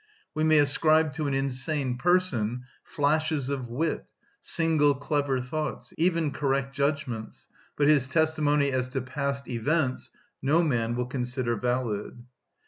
We may ascribe to an insane person flashes of wit, single clever thoughts, even correct judgments, but his testimony as to past events no man will consider valid.